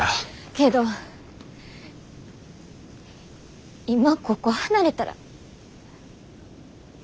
けど今ここ離れたら。